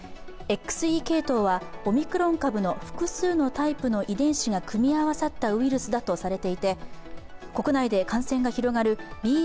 ＸＥ系統は、オミクロン株の複数のタイプの遺伝子が組み合わさったウイルスだとされていて、国内で感染が広がるＢＡ．